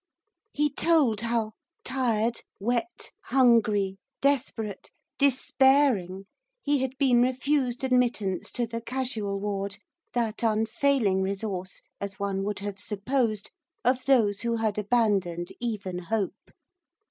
He told how, tired, wet, hungry, desperate, despairing, he had been refused admittance to the casual ward, that unfailing resource, as one would have supposed, of those who had abandoned even hope.